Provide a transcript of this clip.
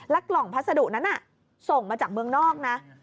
กล่องพัสดุนั้นส่งมาจากเมืองนอกนะ